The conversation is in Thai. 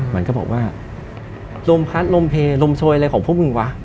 มันก็บอกว่าลมพัดลมเพลลมโชยอะไรของพวกมึงวะ